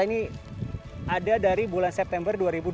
ini ada dari bulan september dua ribu dua puluh